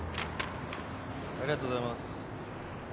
ありがとうございます。